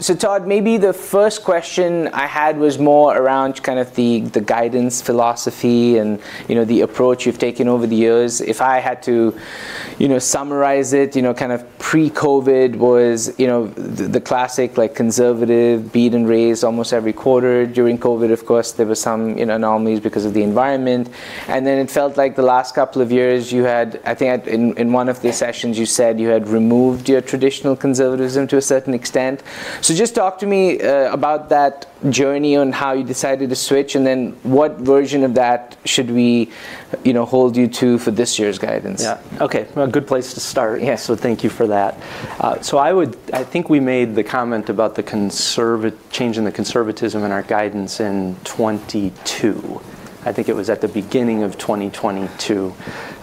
So Todd, maybe the first question I had was more around kind of the guidance philosophy and, you know, the approach you've taken over the years. If I had to, you know, summarize it, you know, kind of pre-COVID was, you know, the classic, like conservative beat and raise almost every quarter. During COVID, of course, there were some, you know, anomalies because of the environment. And then it felt like the last couple of years you had—I think in one of the sessions, you said you had removed your traditional conservatism to a certain extent. So just talk to me about that journey and how you decided to switch, and then what version of that should we, you know, hold you to for this year's guidance? Yeah. Okay. A good place to start. Yeah, so thank you for that. So I would—I think we made the comment about the change in the conservatism in our guidance in 2022. I think it was at the beginning of 2022.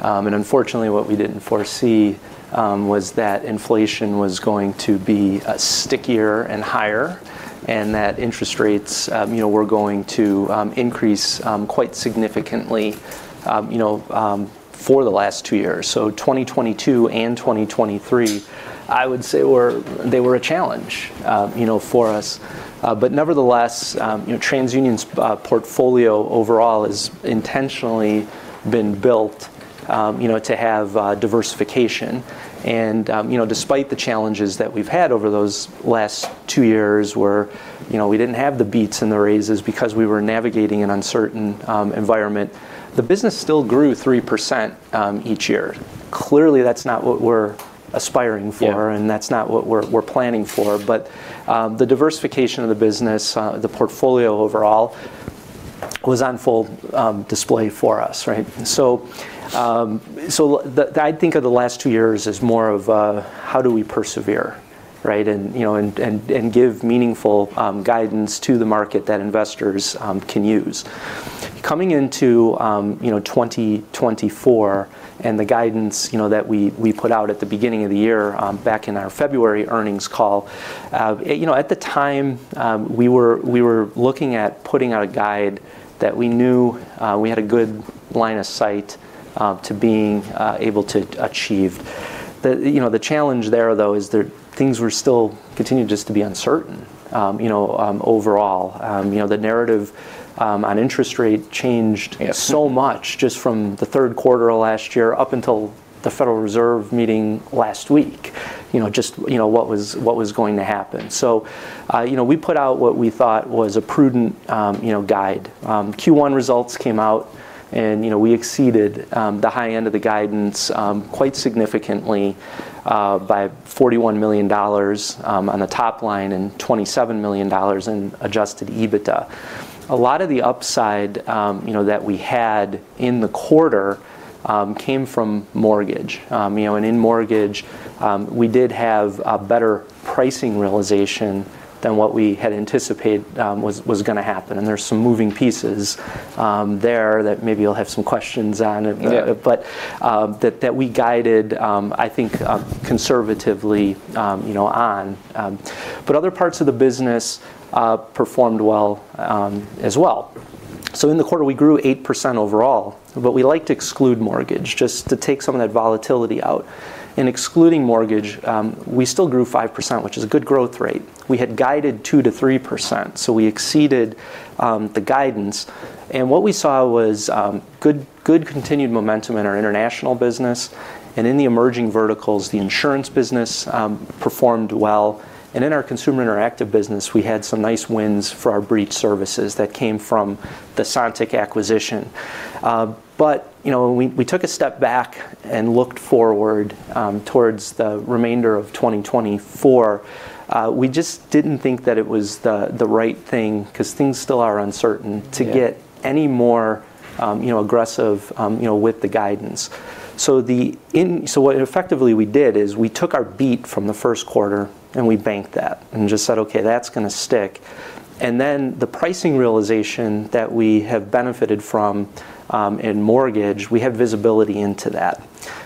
And unfortunately, what we didn't foresee was that inflation was going to be stickier and higher, and that interest rates, you know, were going to increase quite significantly, you know, for the last two years. So 2022 and 2023, I would say were—they were a challenge, you know, for us. But nevertheless, you know, TransUnion's portfolio overall has intentionally been built, you know, to have diversification. You know, despite the challenges that we've had over those last two years, where, you know, we didn't have the beats and the raises because we were navigating an uncertain environment, the business still grew 3%, each year. Clearly, that's not what we're aspiring for- Yeah. And that's not what we're planning for. But the diversification of the business, the portfolio overall, was on full display for us, right? So the... I think of the last two years as more of how do we persevere, right? And you know, give meaningful guidance to the market that investors can use. Coming into you know, 2024, and the guidance you know, that we put out at the beginning of the year, back in our February earnings call, you know, at the time, we were looking at putting out a guide that we knew we had a good line of sight to being able to achieve. You know, the challenge there, though, is that things were still continuing just to be uncertain, you know, overall. You know, the narrative on interest rate changed- Yeah... so much just from the third quarter of last year up until the Federal Reserve meeting last week. You know, just, you know, what was, what was going to happen. So, you know, we put out what we thought was a prudent, you know, guide. Q1 results came out, and, you know, we exceeded, the high end of the guidance, quite significantly, by $41 million, on the top line and $27 million in Adjusted EBITDA. A lot of the upside, you know, that we had in the quarter, came from mortgage. You know, and in mortgage, we did have a better pricing realization than what we had anticipated, was, was gonna happen, and there are some moving pieces, there that maybe you'll have some questions on- Yeah... but that we guided, I think, conservatively, you know, on. But other parts of the business performed well, as well. So in the quarter, we grew 8% overall, but we like to exclude mortgage, just to take some of that volatility out. In excluding mortgage, we still grew 5%, which is a good growth rate. We had guided 2%-3%, so we exceeded the guidance. And what we saw was good, good continued momentum in our international business, and in the emerging verticals, the insurance business performed well, and in our consumer interactive business, we had some nice wins for our breach services that came from the Sontiq acquisition. But, you know, when we took a step back and looked forward towards the remainder of 2024, we just didn't think that it was the right thing, 'cause things still are uncertain- Yeah... to get any more, you know, aggressive, you know, with the guidance. So what effectively we did is, we took our beat from the first quarter, and we banked that and just said, "Okay, that's gonna stick." And then the pricing realization that we have benefited from, in mortgage, we have visibility into that.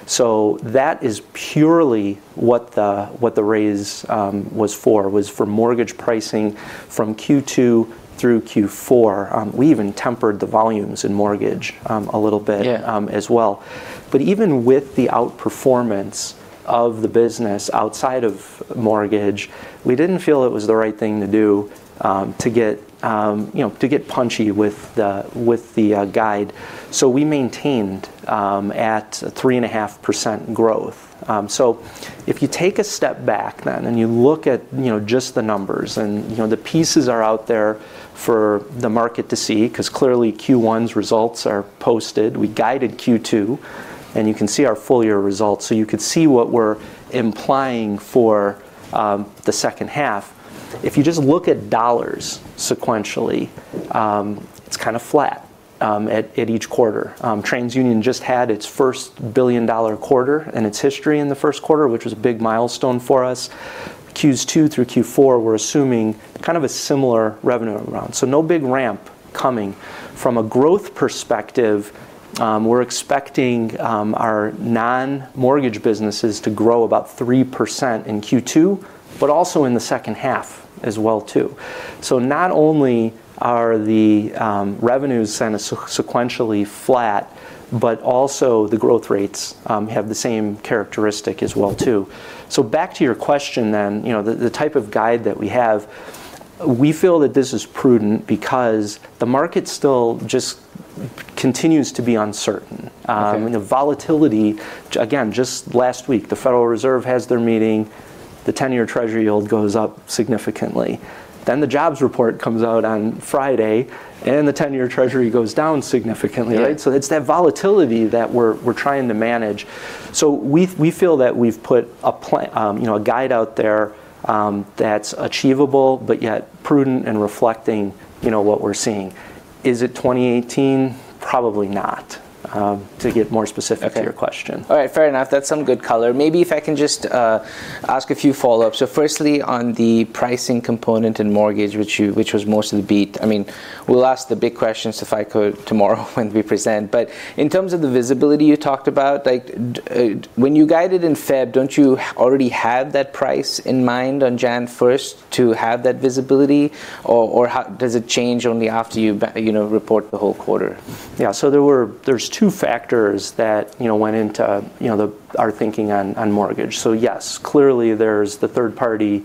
So that is purely what the raise was for, was for mortgage pricing from Q2 through Q4. We even tempered the volumes in mortgage, a little bit- Yeah... as well. But even with the outperformance of the business outside of mortgage, we didn't feel it was the right thing to do, to get, you know, punchy with the guide. So we maintained at 3.5% growth. So if you take a step back then, and you look at, you know, just the numbers, and, you know, the pieces are out there for the market to see, 'cause clearly, Q1's results are posted. We guided Q2, and you can see our full year results, so you could see what we're implying for the second half. If you just look at dollars sequentially, it's kind of flat at each quarter. TransUnion just had its first billion-dollar quarter in its history in the first quarter, which was a big milestone for us. Q2 through Q4, we're assuming kind of a similar revenue run. So no big ramp coming. From a growth perspective, we're expecting our non-mortgage businesses to grow about 3% in Q2, but also in the second half as well, too. So not only are the revenues kind of sequentially flat, but also the growth rates have the same characteristic as well, too. So back to your question then, you know, the type of guide that we have, we feel that this is prudent because the market's still continues to be uncertain. Okay. And the volatility, again, just last week, the Federal Reserve has their meeting, the ten-year Treasury yield goes up significantly. Then the jobs report comes out on Friday, and the ten-year Treasury yield goes down significantly. Yeah. Right? So it's that volatility that we're trying to manage. So we feel that we've put a plan, you know, a guide out there, that's achievable, but yet prudent and reflecting, you know, what we're seeing. Is it 2018? Probably not, to get more specific- Okay... to your question. All right, fair enough. That's some good color. Maybe if I can just ask a few follow-ups. So firstly, on the pricing component in mortgage, which was mostly beat. I mean, we'll ask the big questions, if I could, tomorrow when we present. But in terms of the visibility you talked about, like, when you guided in February, don't you already have that price in mind on January first to have that visibility? Or, does it change only after you, you know, report the whole quarter? Yeah, so there's two factors that, you know, went into, you know, the our thinking on, on mortgage. So yes, clearly, there's the third-party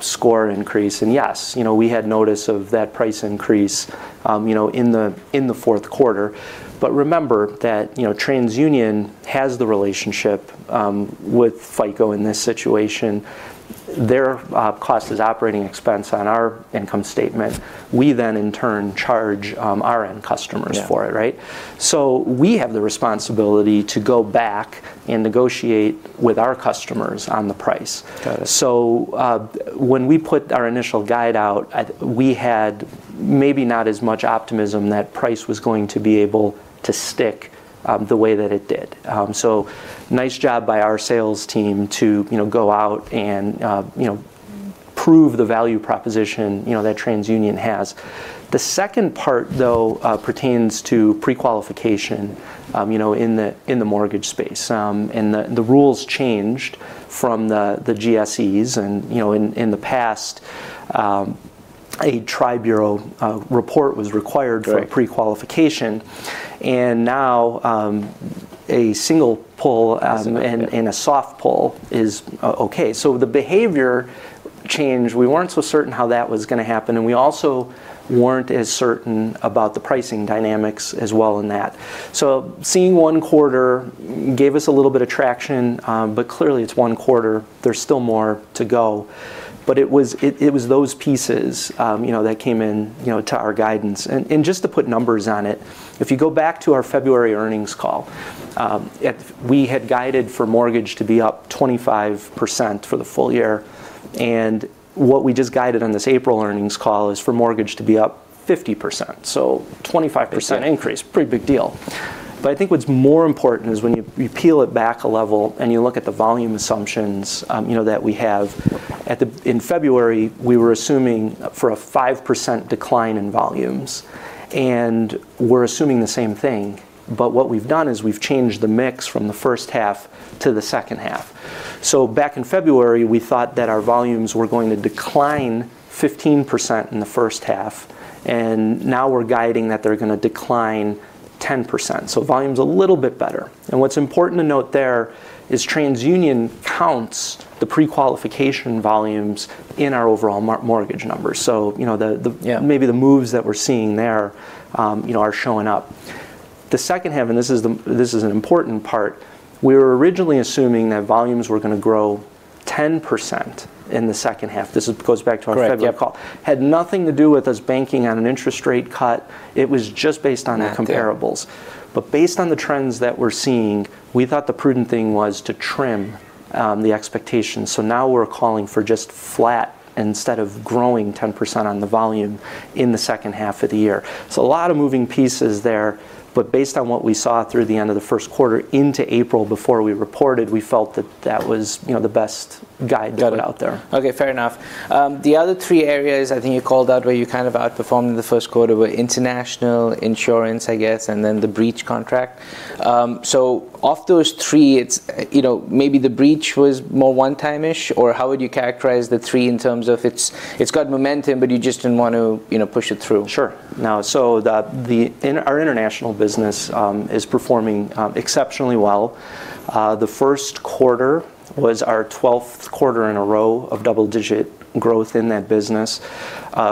score increase, and yes, you know, we had notice of that price increase, you know, in the, in the fourth quarter. But remember that, you know, TransUnion has the relationship with FICO in this situation. Their cost is operating expense on our income statement. We then, in turn, charge our end customers- Yeah... for it, right? So we have the responsibility to go back and negotiate with our customers on the price. Got it. So, when we put our initial guide out, we had maybe not as much optimism that price was going to be able to stick, the way that it did. So nice job by our sales team to, you know, go out and, you know, prove the value proposition, you know, that TransUnion has. The second part, though, pertains to pre-qualification, you know, in the mortgage space. And the rules changed from the GSEs, and, you know, in the past, a tri-bureau report was required- Right... for pre-qualification, and now, a single pull, Is enough... and a soft pull is okay. So the behavior changed. We weren't so certain how that was gonna happen, and we also weren't as certain about the pricing dynamics as well in that. So seeing one quarter gave us a little bit of traction, but clearly, it's one quarter. There's still more to go. But it was those pieces, you know, that came in, you know, to our guidance. And just to put numbers on it, if you go back to our February earnings call, at... We had guided for mortgage to be up 25% for the full year, and what we just guided on this April earnings call is for mortgage to be up 50%, so 25%- Okay... increase. Pretty big deal. But I think what's more important is when you, you peel it back a level, and you look at the volume assumptions, you know, that we have. In February, we were assuming for a 5% decline in volumes, and we're assuming the same thing. But what we've done is we've changed the mix from the first half to the second half. So back in February, we thought that our volumes were going to decline 15% in the first half, and now we're guiding that they're gonna decline 10%, so volume's a little bit better. And what's important to note there is TransUnion counts the pre-qualification volumes in our overall mortgage numbers. So, you know, the, the- Yeah... maybe the moves that we're seeing there, you know, are showing up. The second half, and this is an important part, we were originally assuming that volumes were gonna grow 10% in the second half. This is- goes back to our- Correct, yep... February call. Had nothing to do with us banking on an interest rate cut. It was just based on the comparables. Yeah. But based on the trends that we're seeing, we thought the prudent thing was to trim, the expectations. So now we're calling for just flat instead of growing 10% on the volume in the second half of the year. So a lot of moving pieces there, but based on what we saw through the end of the first quarter into April before we reported, we felt that that was, you know, the best guide- Guide... to put out there. Okay, fair enough. The other three areas, I think you called out, where you kind of outperformed in the first quarter, were international, insurance, I guess, and then the breach Contract. So of those three, it's, you know, maybe the Breach was more one-time-ish, or how would you characterize the three in terms of it's, it's got momentum, but you just didn't want to, you know, push it through? Sure. Now, our international business is performing exceptionally well. The first quarter was our twelfth quarter in a row of double-digit growth in that business.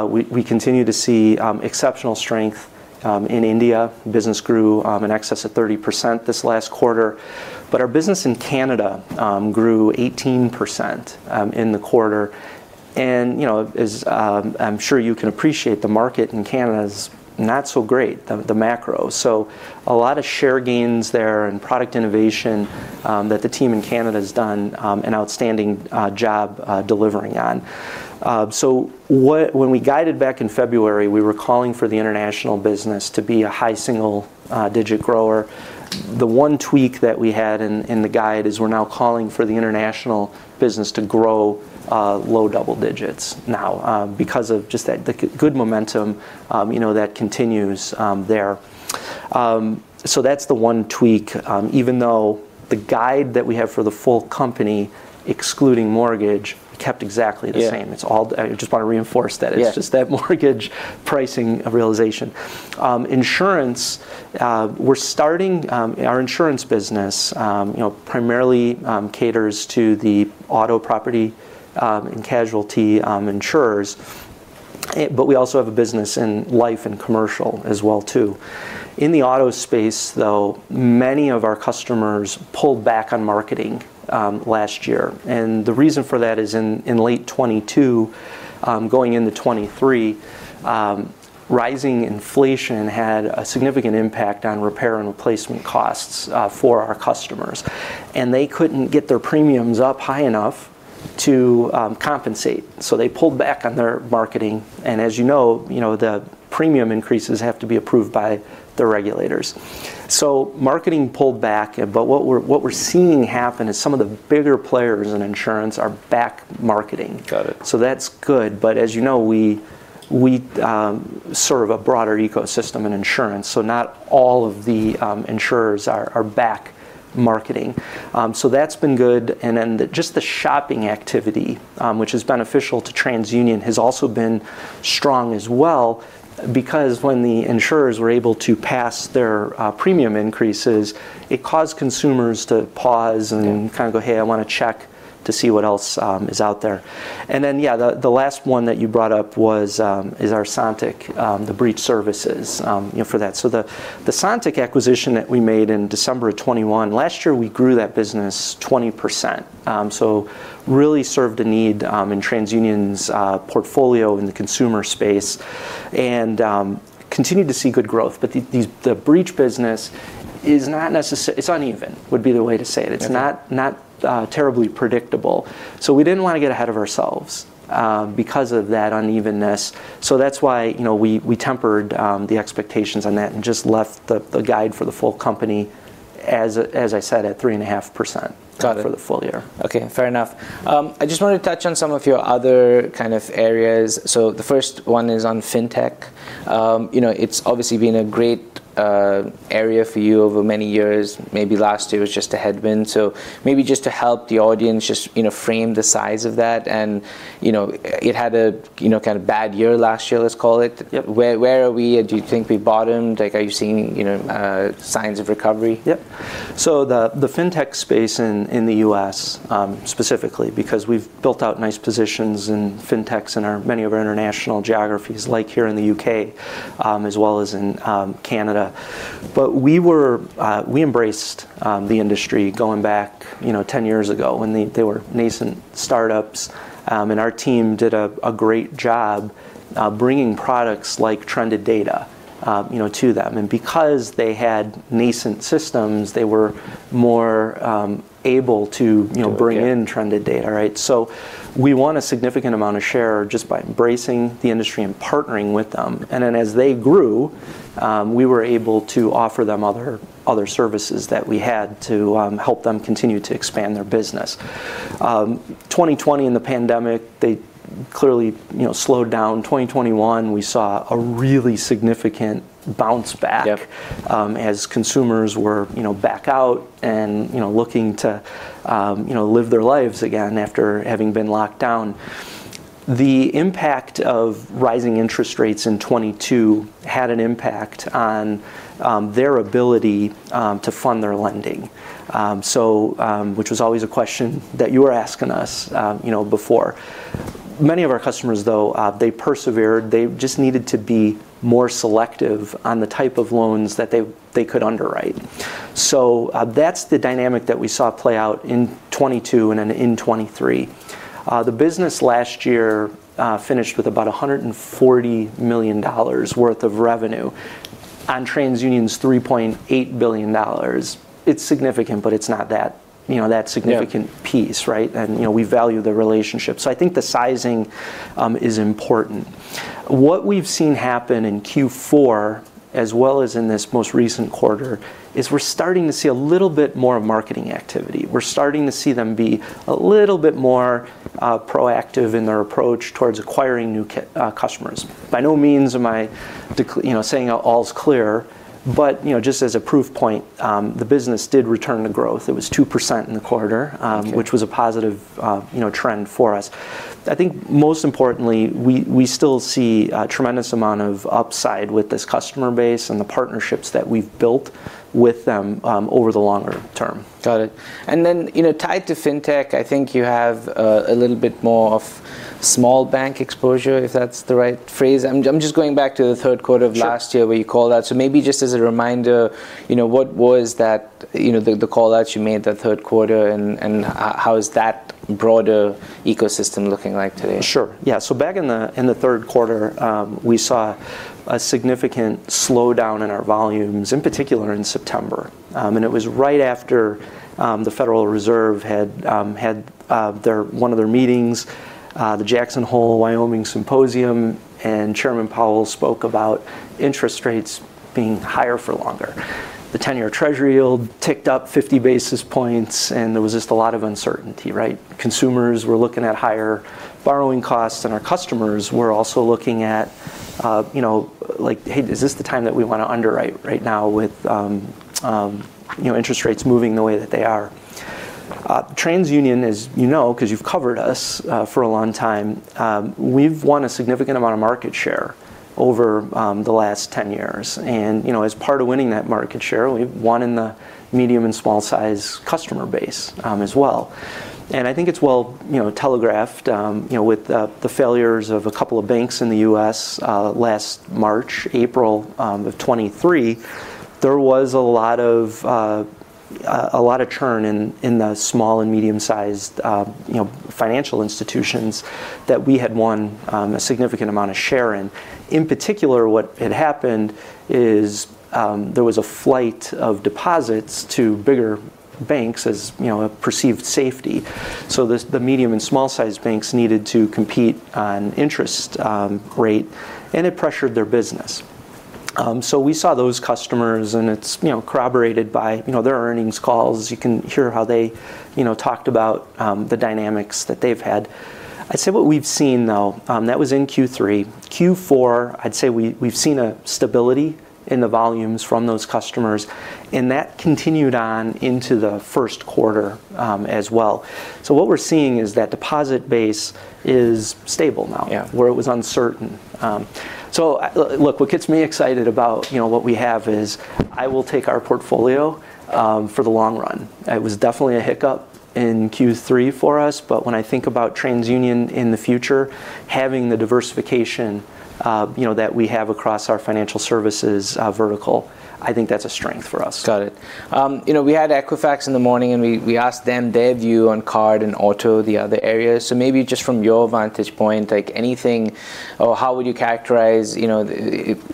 We continue to see exceptional strength in India. Business grew in excess of 30% this last quarter. But our business in Canada grew 18% in the quarter, and, you know, as I'm sure you can appreciate, the market in Canada is not so great, the macro. So a lot of share gains there and product innovation that the team in Canada has done an outstanding job delivering on. When we guided back in February, we were calling for the international business to be a high single-digit grower. The one tweak that we had in the guide is we're now calling for the international business to grow low double digits now because of just the good momentum you know that continues there. So that's the one tweak even though the guide that we have for the full company excluding mortgage kept exactly the same. Yeah. It's all... I just want to reinforce that. Yeah. It's just that mortgage pricing realization. Insurance, our insurance business, you know, primarily caters to the auto, property, and casualty insurers, but we also have a business in life and commercial as well, too. In the auto space, though, many of our customers pulled back on marketing last year, and the reason for that is in late 2022, going into 2023, rising inflation had a significant impact on repair and replacement costs for our customers, and they couldn't get their premiums up high enough to compensate, so they pulled back on their marketing. And as you know, you know, the premium increases have to be approved by the regulators. So marketing pulled back, but what we're seeing happen is some of the bigger players in insurance are back marketing. Got it. So that's good, but as you know, we serve a broader ecosystem in insurance, so not all of the insurers are back marketing. So that's been good, and then just the shopping activity, which is beneficial to TransUnion, has also been strong as well, because when the insurers were able to pass their premium increases, it caused consumers to pause- Mm. -and kind of go, "Hey, I wanna check to see what else is out there." And then, yeah, the last one that you brought up was our Sontiq, the breach services, you know, for that. So the Sontiq acquisition that we made in December 2021, last year, we grew that business 20%. So really served a need in TransUnion's portfolio in the consumer space and continued to see good growth. But the breach business is not. It's uneven, would be the way to say it. Okay. It's not terribly predictable. So we didn't wanna get ahead of ourselves because of that unevenness. So that's why, you know, we tempered the expectations on that and just left the guide for the full company as I said, at 3.5%- Got it. for the full year. Okay, fair enough. I just wanted to touch on some of your other kind of areas. So the first one is on fintech. You know, it's obviously been a great area for you over many years. Maybe last year was just a headwind. So maybe just to help the audience just, you know, frame the size of that and, you know, it had a, you know, kind of bad year last year, let's call it. Yep. Where, where are we? Do you think we bottomed? Like, are you seeing, you know, signs of recovery? Yep. So the fintech space in the U.S., specifically, because we've built out nice positions in fintechs in many of our international geographies, like here in the U.K., as well as in Canada. But we embraced the industry going back, you know, ten years ago when they were nascent startups, and our team did a great job bringing products like Trended Data, you know, to them. And because they had nascent systems, they were more able to, you know- To get... bring in trended data, right? So we won a significant amount of share just by embracing the industry and partnering with them, and then as they grew, we were able to offer them other, other services that we had to, help them continue to expand their business. 2020 in the pandemic, they clearly, you know, slowed down. 2021, we saw a really significant bounce back- Yep... as consumers were, you know, back out and, you know, looking to, you know, live their lives again after having been locked down. The impact of rising interest rates in 2022 had an impact on their ability to fund their lending. So, which was always a question that you were asking us, you know, before. Many of our customers, though, they persevered. They just needed to be more selective on the type of loans that they, they could underwrite. So, that's the dynamic that we saw play out in 2022 and in 2023. The business last year finished with about $140 million worth of revenue. On TransUnion's $3.8 billion, it's significant, but it's not that, you know, that significant- Yeah... piece, right? And, you know, we value the relationship. So I think the sizing is important. What we've seen happen in Q4, as well as in this most recent quarter, is we're starting to see a little bit more marketing activity. We're starting to see them be a little bit more proactive in their approach towards acquiring new customers. By no means am I, you know, saying all's clear, but, you know, just as a proof point, the business did return to growth. It was 2% in the quarter- Okay... which was a positive, you know, trend for us. I think most importantly, we, we still see a tremendous amount of upside with this customer base and the partnerships that we've built with them, over the longer term. Got it. And then, you know, tied to fintech, I think you have a little bit more of small bank exposure, if that's the right phrase. I'm just going back to the third quarter of last year. Sure ...where you called that. So maybe just as a reminder, you know, what was that, you know, the call that you made that third quarter, and how is that broader ecosystem looking like today? Sure, yeah. So back in the third quarter, we saw a significant slowdown in our volumes, in particular in September. And it was right after the Federal Reserve had had their one of their meetings, the Jackson Hole, Wyoming Symposium, and Chairman Powell spoke about interest rates being higher for longer. The 10-year Treasury yield ticked up 50 basis points, and there was just a lot of uncertainty, right? Consumers were looking at higher borrowing costs, and our customers were also looking at, you know, like: Hey, is this the time that we wanna underwrite right now with, you know, interest rates moving the way that they are? TransUnion, as you know, because you've covered us for a long time, we've won a significant amount of market share over the last 10 years. You know, as part of winning that market share, we've won in the medium and small size customer base, as well. I think it's well telegraphed, you know, with the failures of a couple of banks in the U.S. last March, April, of 2023. There was a lot of a lot of churn in the small and medium-sized financial institutions that we had won a significant amount of share in. In particular, what had happened is there was a flight of deposits to bigger banks, as you know, a perceived safety. So the medium and small sized banks needed to compete on interest rate, and it pressured their business. So we saw those customers, and it's you know corroborated by you know their earnings calls. You can hear how they, you know, talked about the dynamics that they've had. I'd say what we've seen, though, that was in Q3. Q4, I'd say we've seen a stability in the volumes from those customers, and that continued on into the first quarter, as well. So what we're seeing is that deposit base is stable now- Yeah... where it was uncertain. So look, what gets me excited about, you know, what we have is, I will take our portfolio for the long run. It was definitely a hiccup in Q3 for us, but when I think about TransUnion in the future, having the diversification, you know, that we have across our financial services vertical, I think that's a strength for us. Got it. You know, we had Equifax in the morning, and we asked them their view on card and auto, the other areas. So maybe just from your vantage point, like anything... Or how would you characterize, you know,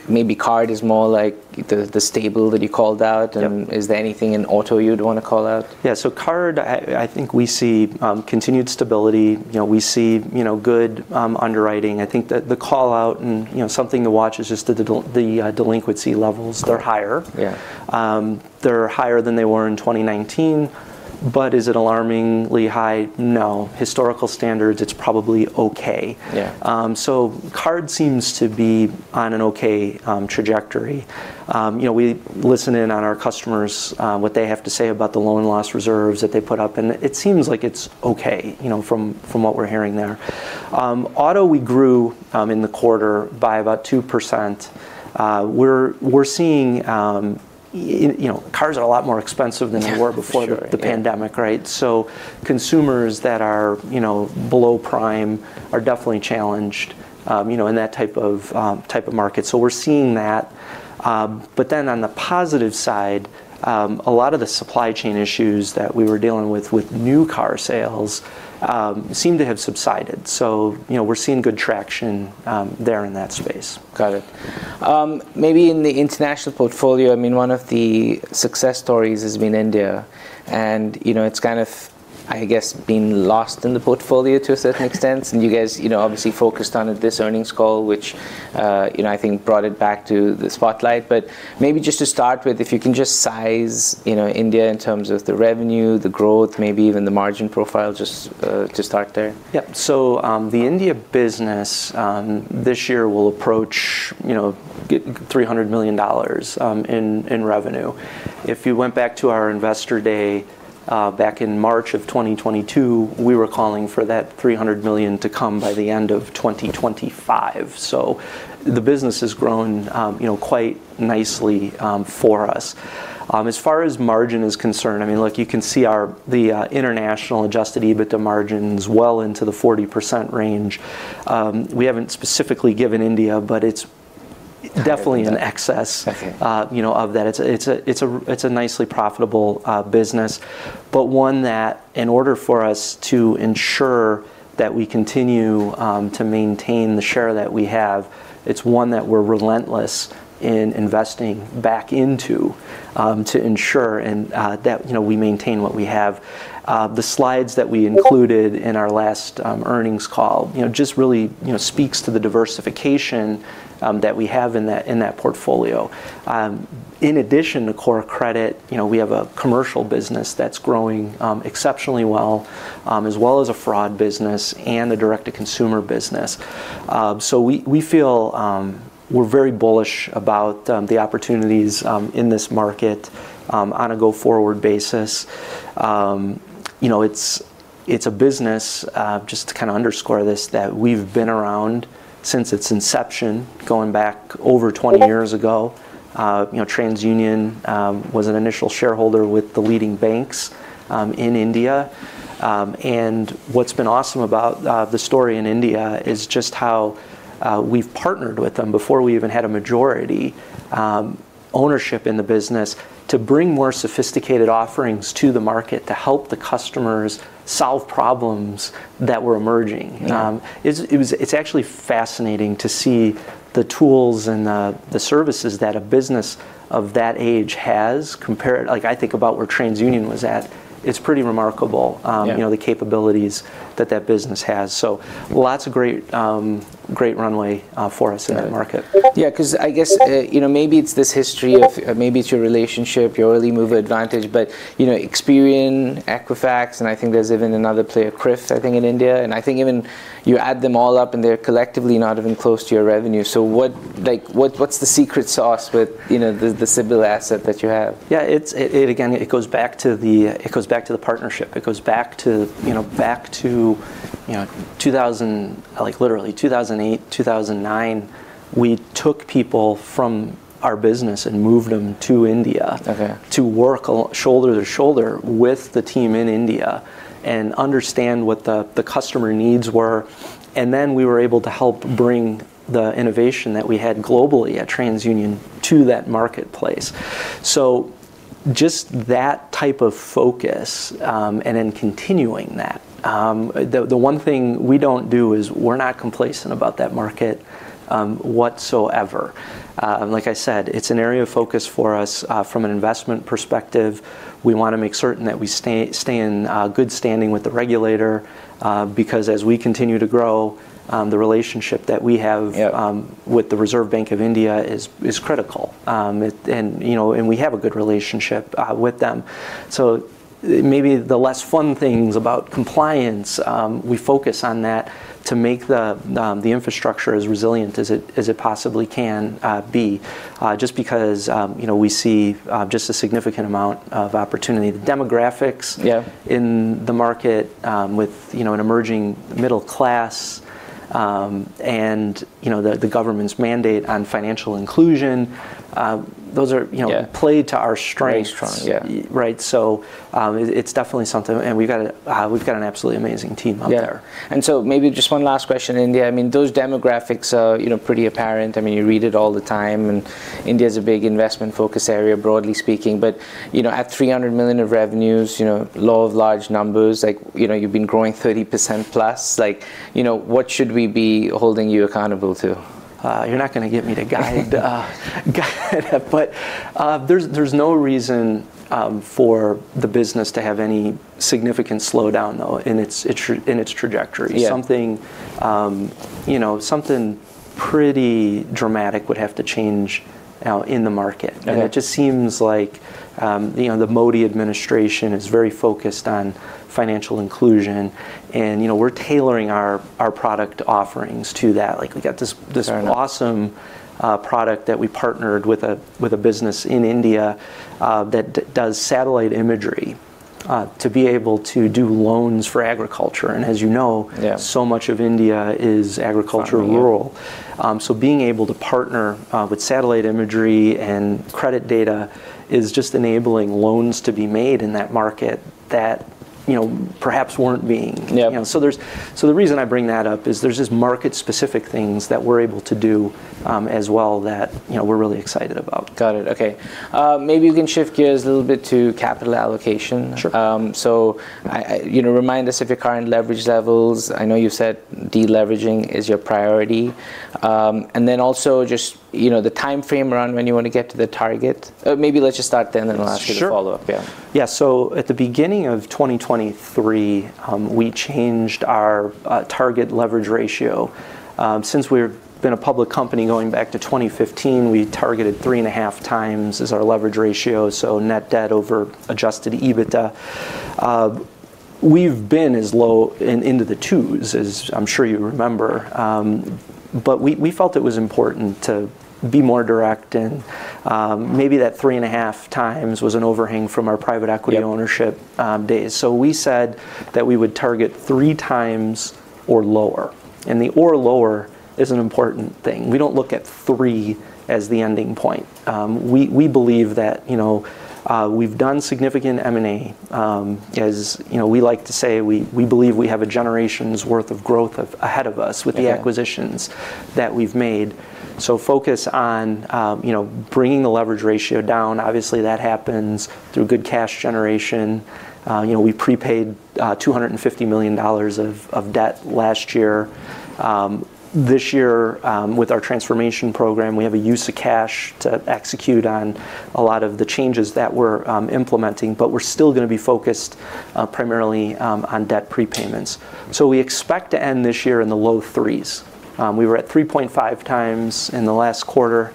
maybe card is more like the stable that you called out? Yep. Is there anything in auto you'd want to call out? Yeah. So card, I think we see continued stability. You know, we see, you know, good underwriting. I think that the call out and, you know, something to watch is just the delinquency levels. Sure. They're higher. Yeah. They're higher than they were in 2019, but is it alarmingly high? No. Historical standards, it's probably okay. Yeah. So card seems to be on an okay trajectory. You know, we listen in on our customers, what they have to say about the loan loss reserves that they put up, and it seems like it's okay, you know, from what we're hearing there. Auto, we grew in the quarter by about 2%. We're seeing, you know, cars are a lot more expensive than they were before- Yeah, sure... the pandemic, right? So consumers that are, you know, below prime are definitely challenged, you know, in that type of market. So we're seeing that. But then on the positive side, a lot of the supply chain issues that we were dealing with, with new car sales, seem to have subsided. So, you know, we're seeing good traction, there in that space. Got it. Maybe in the international portfolio, I mean, one of the success stories has been India, and, you know, it's kind of, I guess, been lost in the portfolio to a certain extent. And you guys, you know, obviously focused on this earnings call, which, you know, I think brought it back to the spotlight. But maybe just to start with, if you can just size, you know, India in terms of the revenue, the growth, maybe even the margin profile, just to start there. Yeah. So, the India business, this year will approach, you know, get $300 million in revenue. If you went back to our investor day, back in March of 2022, we were calling for that $300 million to come by the end of 2025. So the business has grown, you know, quite nicely, for us. As far as margin is concerned, I mean, look, you can see our-- the, international adjusted EBITDA margin's well into the 40% range. We haven't specifically given India, but it's definitely- Kind of-... in excess- Okay... you know, of that. It's a, it's a, it's a, it's a nicely profitable business, but one that, in order for us to ensure that we continue to maintain the share that we have, it's one that we're relentless in investing back into, to ensure and that, you know, we maintain what we have. The slides that we included in our last earnings call, you know, just really, you know, speaks to the diversification that we have in that, in that portfolio. In addition to core credit, you know, we have a commercial business that's growing exceptionally well, as well as a fraud business and a direct-to-consumer business. So we, we feel. We're very bullish about the opportunities in this market on a go-forward basis. You know, it's, it's a business, just to kind of underscore this, that we've been around since its inception, going back over 20 years ago. You know, TransUnion was an initial shareholder with the leading banks in India. And what's been awesome about the story in India is just how we've partnered with them before we even had a majority ownership in the business, to bring more sophisticated offerings to the market to help the customers solve problems that were emerging. Yeah. It's actually fascinating to see the tools and the services that a business of that age has compared... Like, I think about where TransUnion was at. It's pretty remarkable. Yeah... you know, the capabilities that that business has. So lots of great, great runway, for us in that market. Yeah, 'cause I guess, you know, maybe it's this history of—maybe it's your relationship, your early mover advantage, but, you know, Experian, Equifax, and I think there's even another player, CRIF, I think, in India. And I think even you add them all up, and they're collectively not even close to your revenue. So what, like, what, what's the secret sauce with, you know, the, the CIBIL asset that you have? Yeah, it's. Again, it goes back to the partnership. It goes back to, you know, back to 2000, like literally 2008, 2009, we took people from our business and moved them to India- Okay... to work shoulder to shoulder with the team in India and understand what the customer needs were. And then we were able to help bring the innovation that we had globally at TransUnion to that marketplace. So just that type of focus, and then continuing that. The one thing we don't do is we're not complacent about that market, whatsoever. And like I said, it's an area of focus for us. From an investment perspective, we wanna make certain that we stay in good standing with the regulator, because as we continue to grow, the relationship that we have- Yeah with the Reserve Bank of India is critical. And, you know, we have a good relationship with them. So maybe the less fun things about compliance, we focus on that to make the infrastructure as resilient as it possibly can be. Just because, you know, we see just a significant amount of opportunity. The demographics- Yeah in the market, with, you know, an emerging middle class, and, you know, the government's mandate on financial inclusion, those are, you know- Yeah play to our strengths. Very strong. Yeah. Right. So, it's definitely something, and we've got an absolutely amazing team out there. Yeah. And so maybe just one last question, India. I mean, those demographics are, you know, pretty apparent. I mean, you read it all the time, and India is a big investment focus area, broadly speaking. But, you know, at $300 million of revenues, you know, law of large numbers, like, you know, you've been growing 30% plus. Like, you know, what should we be holding you accountable to? You're not gonna get me to guide. But there's no reason for the business to have any significant slowdown, though, in its trajectory. Yeah. Something, you know, something pretty dramatic would have to change in the market. Okay. It just seems like, you know, the Modi administration is very focused on financial inclusion, and, you know, we're tailoring our, our product offerings to that. Like, we got this- Fair enough... this awesome product that we partnered with a business in India that does satellite imagery to be able to do loans for agriculture. And as you know- Yeah... so much of India is agricultural, rural. Yeah. So being able to partner with satellite imagery and credit data is just enabling loans to be made in that market that, you know, perhaps weren't being. Yeah. You know, so the reason I bring that up is there's just market-specific things that we're able to do, as well, that, you know, we're really excited about. Got it. Okay. Maybe we can shift gears a little bit to capital allocation. Sure. So, you know, remind us of your current leverage levels. I know you've said deleveraging is your priority. And then also just, you know, the timeframe around when you want to get to the target. Maybe let's just start there, and then I'll ask you to follow up. Sure. Yeah. Yeah. So at the beginning of 2023, we changed our target leverage ratio. Since we've been a public company going back to 2015, we targeted 3.5 times as our leverage ratio, so net debt over Adjusted EBITDA. We've been as low in, into the 2s, as I'm sure you remember, but we, we felt it was important to be more direct, and maybe that 3.5 times was an overhang from our private equity- Yeah... ownership days. So we said that we would target three times or lower, and the or lower is an important thing. We don't look at three as the ending point. We believe that, you know, we've done significant M&A. As you know, we like to say, we believe we have a generation's worth of growth ahead of us- Yeah... with the acquisitions that we've made. So focus on, you know, bringing the leverage ratio down. Obviously, that happens through good cash generation. You know, we prepaid $250 million of debt last year. This year, with our transformation program, we have a use of cash to execute on a lot of the changes that we're implementing, but we're still gonna be focused primarily on debt prepayments. So we expect to end this year in the low threes. We were at 3.5 times in the last quarter,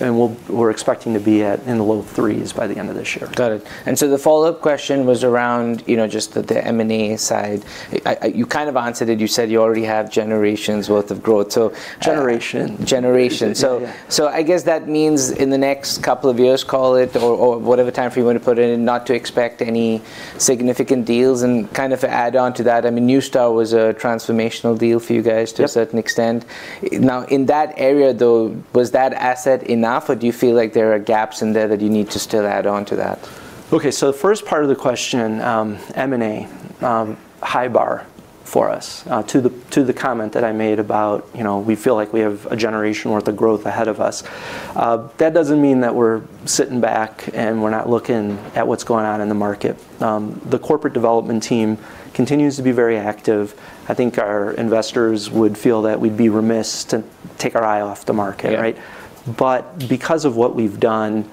and we're expecting to be at in the low threes by the end of this year. Got it. And so the follow-up question was around, you know, just the M&A side. I. You kind of answered it. You said you already have generations worth of growth, so- Generation. Generation. So, so I guess that means in the next couple of years, call it, or, or whatever timeframe you want to put it in, not to expect any significant deals. And kind of add on to that, I mean, Neustar was a transformational deal for you guys- Yep... to a certain extent. Now, in that area, though, was that asset enough, or do you feel like there are gaps in there that you need to still add on to that? Okay, so the first part of the question, M&A, high bar for us, to the comment that I made about, you know, we feel like we have a generation worth of growth ahead of us. That doesn't mean that we're sitting back, and we're not looking at what's going on in the market. The corporate development team continues to be very active. I think our investors would feel that we'd be remiss to take our eye off the market, right? Yeah. But because of what we've done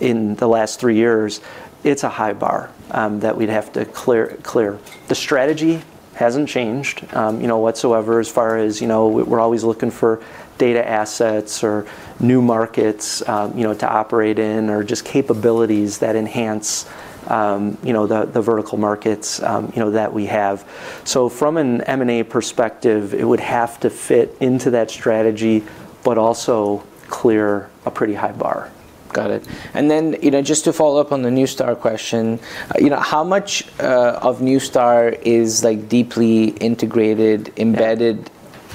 in the last three years, it's a high bar that we'd have to clear, clear. The strategy hasn't changed, you know, whatsoever, as far as, you know, we're always looking for data assets or new markets, you know, to operate in, or just capabilities that enhance, you know, the vertical markets, you know, that we have. So from an M&A perspective, it would have to fit into that strategy, but also clear a pretty high bar. Got it. And then, you know, just to follow up on the Neustar question, you know, how much of Neustar is, like, deeply integrated, embedded- Yeah...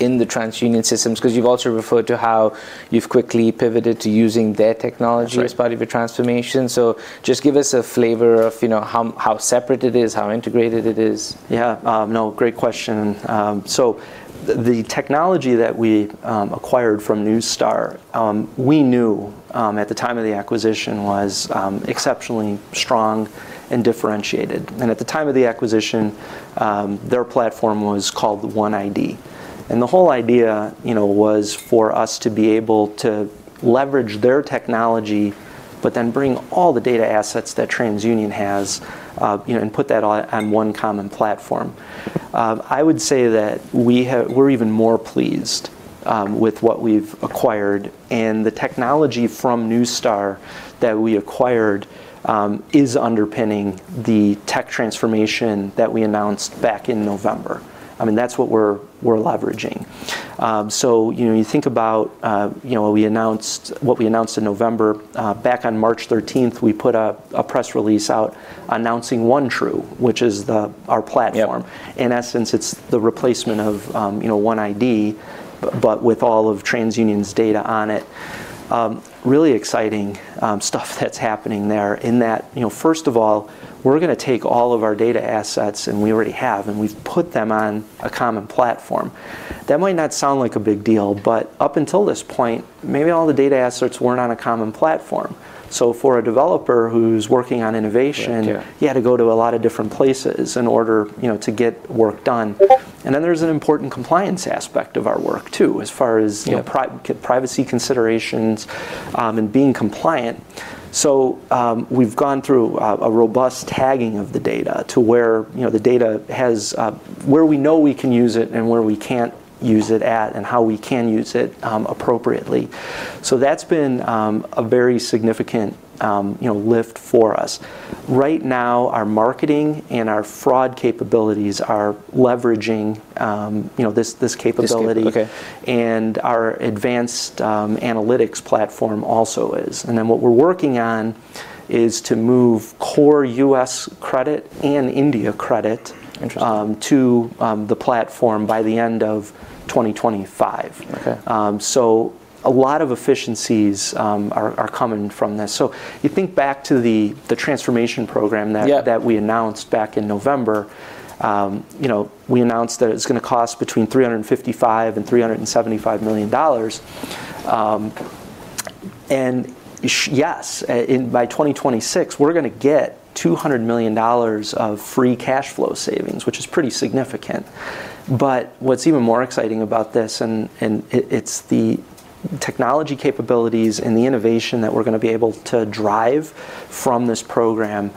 in the TransUnion systems? Because you've also referred to how you've quickly pivoted to using their technology- Right... as part of your transformation. Just give us a flavor of, you know, how, how separate it is, how integrated it is. Yeah, no, great question. So the technology that we acquired from Neustar, we knew at the time of the acquisition was exceptionally strong and differentiated. And at the time of the acquisition, their platform was called OneID. And the whole idea, you know, was for us to be able to leverage their technology, but then bring all the data assets that TransUnion has, you know, and put that all on one common platform. I would say that we have, we're even more pleased with what we've acquired, and the technology from Neustar that we acquired is underpinning the tech transformation that we announced back in November. I mean, that's what we're, we're leveraging. So, you know, you think about, you know, we announced what we announced in November, back on March 13th, we put out a press release announcing OneTru, which is our platform. Yeah. In essence, it's the replacement of, you know, OneID, but with all of TransUnion's data on it. Really exciting stuff that's happening there in that, you know, first of all, we're gonna take all of our data assets, and we already have, and we've put them on a common platform. That might not sound like a big deal, but up until this point, maybe all the data assets weren't on a common platform. So for a developer who's working on innovation- Yeah. He had to go to a lot of different places in order, you know, to get work done. And then there's an important compliance aspect of our work, too, as far as- Yeah... privacy considerations, and being compliant. So, we've gone through a robust tagging of the data to where, you know, the data has where we know we can use it and where we can't use it at, and how we can use it appropriately. So that's been a very significant, you know, lift for us. Right now, our marketing and our fraud capabilities are leveraging, you know, this, this capability- This... Okay. -and our advanced, analytics platform also is. And then what we're working on is to move core U.S. credit and India credit- Interesting... to the platform by the end of 2025. Okay. So a lot of efficiencies are coming from this. So you think back to the transformation program that- Yeah... that we announced back in November, you know, we announced that it's gonna cost between $355 million and $375 million. And, yes, in by 2026, we're gonna get $200 million of free cash flow savings, which is pretty significant. But what's even more exciting about this, and, and it, it's the technology capabilities and the innovation that we're gonna be able to drive from this program,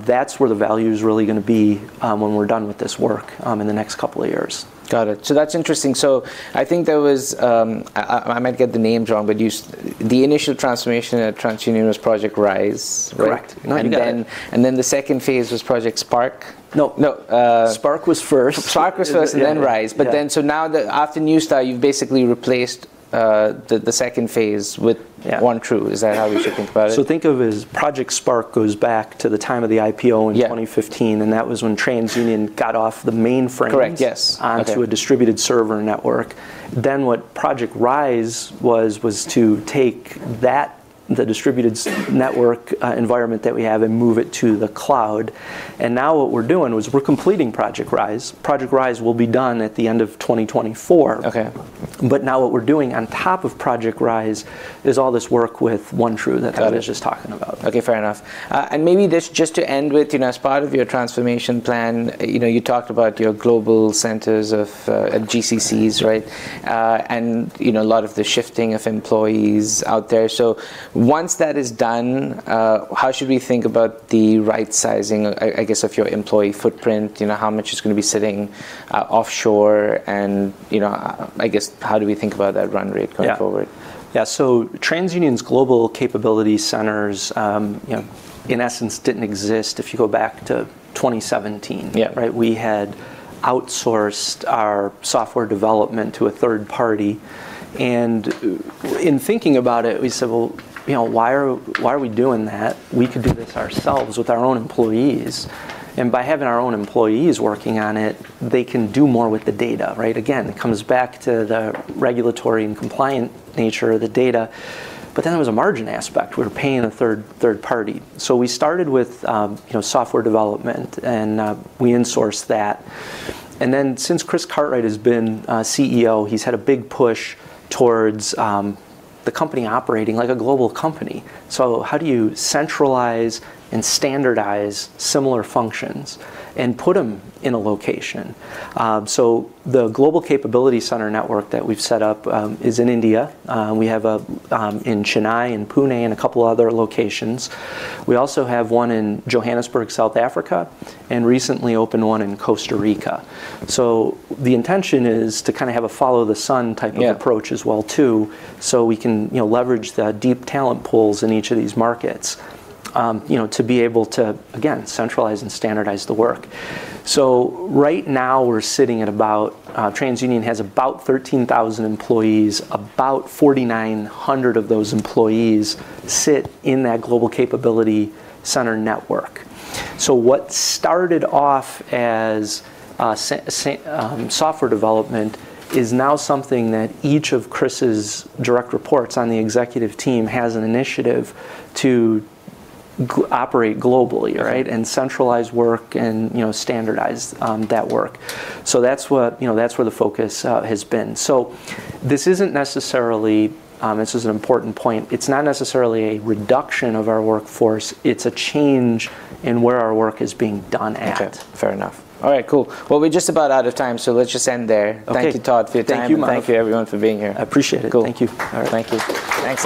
that's where the value is really gonna be, when we're done with this work, in the next couple of years. Got it. So that's interesting. So I think there was. I might get the name wrong, but the initial transformation at TransUnion was Project Rise, right? Correct. No, you got it. Then the second phase was Project Spark? No, no. Uh- Spark was first. Spark was first, and then Rise. Yeah. But then, so now the after Neustar, you've basically replaced the second phase with- Yeah... OneTru. Is that how we should think about it? Think of it as Project Spark goes back to the time of the IPO in 2015. Yeah... and that was when TransUnion got off the mainframe- Correct, yes. Okay.... onto a distributed server network. Then what Project Rise was, was to take that, the distributed network, environment that we had, and move it to the cloud. And now what we're doing is we're completing Project Rise. Project Rise will be done at the end of 2024. Okay. But now what we're doing on top of Project Rise is all this work with OneTru that- Got it... I was just talking about. Okay, fair enough. And maybe this, just to end with, you know, as part of your transformation plan, you know, you talked about your global centers of GCCs, right? And, you know, a lot of the shifting of employees out there. So once that is done, how should we think about the right sizing, I guess, of your employee footprint? You know, how much is gonna be sitting offshore and, you know, I guess, how do we think about that run rate? Yeah... going forward? Yeah, so TransUnion's Global Capability Centers, you know, in essence, didn't exist if you go back to 2017. Yeah. Right? We had outsourced our software development to a third party, and in thinking about it, we said, "Well, you know, why are, why are we doing that? We could do this ourselves with our own employees." And by having our own employees working on it, they can do more with the data, right? Again, it comes back to the regulatory and compliant nature of the data. But then there was a margin aspect. We're paying a third, third party. So we started with, you know, software development, and we insourced that. And then, since Chris Cartwright has been CEO, he's had a big push towards the company operating like a global company. So how do you centralize and standardize similar functions and put them in a location? So the Global Capability Center network that we've set up is in India. We have in Chennai, in Pune, and a couple of other locations. We also have one in Johannesburg, South Africa, and recently opened one in Costa Rica. So the intention is to kind of have a follow-the-sun type- Yeah... of approach as well, too, so we can, you know, leverage the deep talent pools in each of these markets, you know, to be able to, again, centralize and standardize the work. So right now, we're sitting at about, TransUnion has about 13,000 employees. About 4,900 of those employees sit in that global capability center network. So what started off as software development is now something that each of Chris's direct reports on the executive team has an initiative to operate globally, right? Yeah. Centralize work and, you know, standardize that work. So that's what, you know, that's where the focus has been. So this isn't necessarily, this is an important point. It's not necessarily a reduction of our workforce, it's a change in where our work is being done at. Okay, fair enough. All right, cool. Well, we're just about out of time, so let's just end there. Okay. Thank you, Todd, for your time. Thank you, Manav. Thank you, everyone, for being here. I appreciate it. Cool. Thank you. All right. Thank you. Thanks.